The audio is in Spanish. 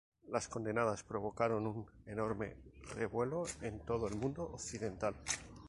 Las condenas provocaron un enorme revuelo en todo el mundo occidental.